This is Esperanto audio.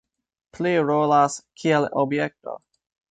Pli rolas kiel objekto.